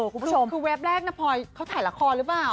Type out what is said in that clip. คือเว็บแรกนะพรเขาถ่ายละครรึเปล่า